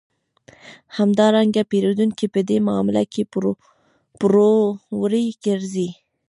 همدارنګه پېرودونکی په دې معامله کې پوروړی ګرځي